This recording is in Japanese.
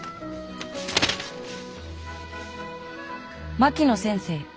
「槙野先生